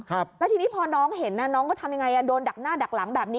ครับแล้วทีนี้พอน้องเห็นน่ะน้องก็ทำยังไงอ่ะโดนดักหน้าดักหลังแบบนี้